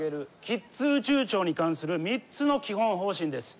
キッズ宇宙庁に関する３つの基本方針です。